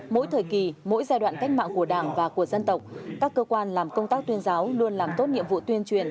mỗi thời kỳ mỗi giai đoạn cách mạng của đảng và của dân tộc các cơ quan làm công tác tuyên giáo luôn làm tốt nhiệm vụ tuyên truyền